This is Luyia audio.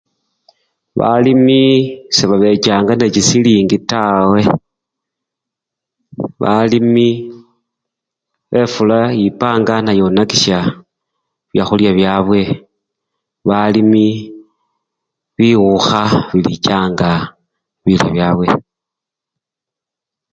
Balimi sebabechanga nende chisilingi taawe , balimi efula yipanga neyonakisya byakhulya byabwe, balimi biwukha bilichanga bilyo byabwe.